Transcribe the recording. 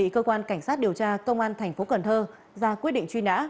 các điều tra công an thành phố cần thơ ra quyết định truy nã